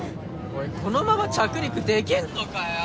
おいこのまま着陸できんのかよ！？